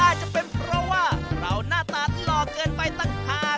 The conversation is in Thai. อาจจะเป็นเพราะว่าเราหน้าตาหล่อเกินไปต่างหาก